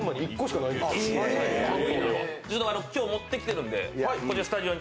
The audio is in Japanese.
今日持ってきているんで、スタジオに。